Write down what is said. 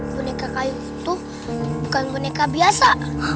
boneka kayu itu bukan boneka biasa